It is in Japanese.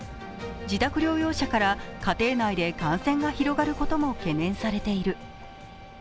自宅療養者から家庭内で感染が広がることも懸念されている。